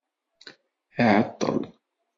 Iɛeṭṭel.